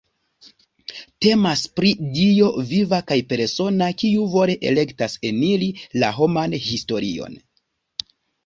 Temas pri Dio viva kaj persona kiu vole elektas eniri la homan historion.